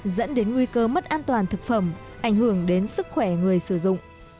dẫn đến nguy cơ mất an toàn thực phẩm ảnh hưởng đến sức khỏe người sử dụng